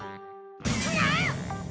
なっ！